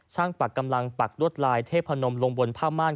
ช่างปลักกำลังปลักลวดลายเทพนมลงบนห้ามมาร